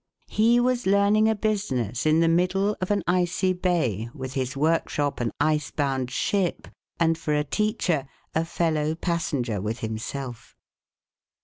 He was learning a business in the middle of an icy bay, with his workshop an ice bound ship, and for a teacher a fellow passenger with himself.